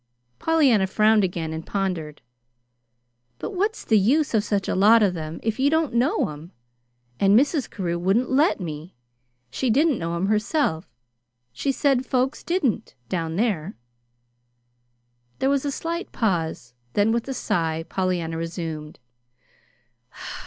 Pollyanna frowned again and pondered. "But what's the use of such a lot of them if you don't know 'em? And Mrs. Carew wouldn't let me. She didn't know 'em herself. She said folks didn't, down there." There was a slight pause, then, with a sigh, Pollyanna resumed.